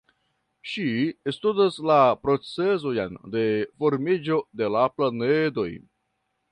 Ŝi studas la procezojn de formiĝo de la planedoj.